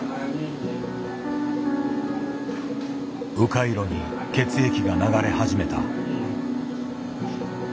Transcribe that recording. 迂回路に血液が流れ始めた。